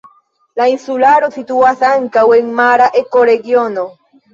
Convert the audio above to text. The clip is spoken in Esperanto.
La insularo situas ankaŭ en mara ekoregiono.